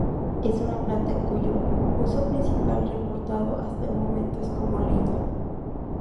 Es una planta cuyo uso principal reportado hasta el momento es como leña.